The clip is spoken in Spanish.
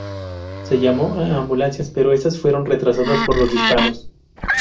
Se llamó a ambulancias, pero estas fueron retrasadas por los disparos.